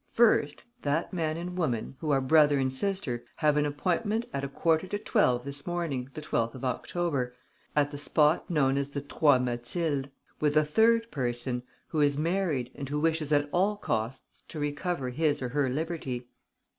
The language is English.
First, that man and woman, who are brother and sister, have an appointment at a quarter to twelve this morning, the 12th of October, at the spot known as the Trois Mathildes, with a third person, who is married and who wishes at all costs to recover his or her liberty.